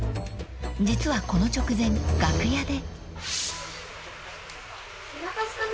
［実はこの直前楽屋で］